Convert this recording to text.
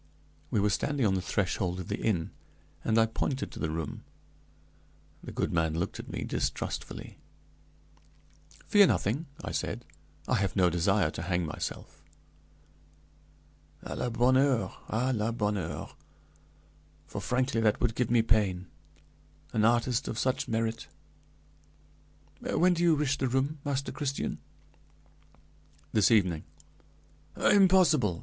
We were standing on the threshold of the inn, and I pointed to the room. The good man looked at me distrustfully. "Fear nothing," I said; "I have no desire to hang myself.". "À la bonne heure! à la bonne heure! For frankly that would give me pain; an artist of such merit! When do you wish the room, Master Christian?" "This evening." "Impossible!